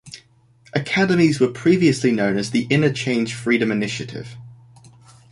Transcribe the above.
Academies were previously known as the InnerChange Freedom Initiative.